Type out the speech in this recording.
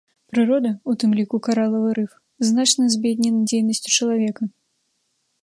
Прырода, у тым ліку каралавы рыф, значна збеднена дзейнасцю чалавека.